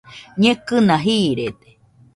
Ñekɨna jiiride